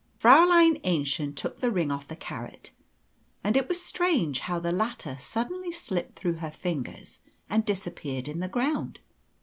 Fräulein Aennchen took the ring off the carrot, and it was strange how the latter suddenly slipped through her fingers and disappeared in the ground.